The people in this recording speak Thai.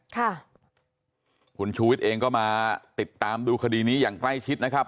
ค่ะคุณชูวิทย์เองก็มาติดตามดูคดีนี้อย่างใกล้ชิดนะครับ